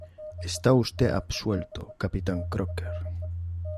Está usted absuelto, capitán Crocker.